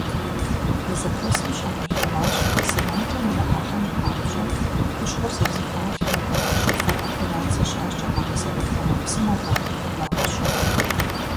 А зэхуэсым щагъэлъэгъуащ сымаджэм ирахьэлӀэн папщӀэ хущхъуэр зэрызэхалъхьэр, щӀыфэр операцэ щащӏкӏэ къагъэсэбэп ӏэмэпсымэхэр, нэгъуэщӀхэри.